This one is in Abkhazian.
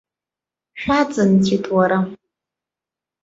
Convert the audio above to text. Шәаҵанҵәеит, уара!